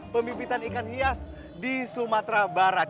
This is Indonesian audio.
pemipitan ikan hias di sumatera barat